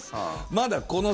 まだこの先。